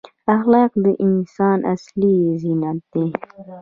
اخلاق د انسان اصلي زینت دی.